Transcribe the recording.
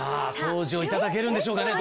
登場いただけるんでしょうかね。